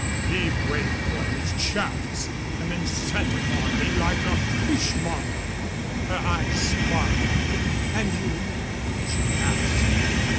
He waited for his chance and then set upon me like a fish monger." Her eyes sparkled. "And you?" she asked.